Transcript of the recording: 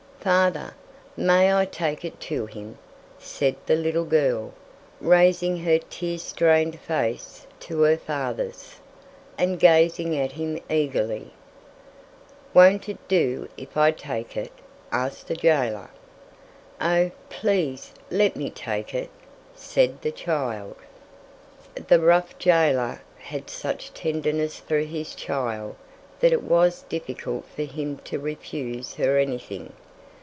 "Father, may I take it to him?" said the little girl, raising her tear stained face to her father's, and gazing at him eagerly. "Won't it do if I take it?" asked the jailer. "Oh, please let me take it," said the child. The rough jailer had such tenderness for his child that it was difficult for him to refuse her anything.